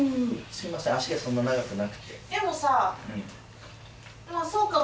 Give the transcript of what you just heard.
すいません脚がそんな長くなくて。